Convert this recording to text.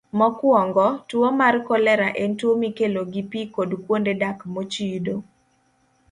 Mokwongo, tuwo mar kolera en tuwo mikelo gi pi kod kuonde dak mochido.